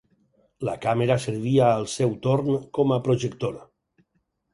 La càmera servia al seu torn com a projector.